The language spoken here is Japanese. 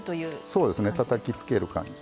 そうですねたたきつける感じ。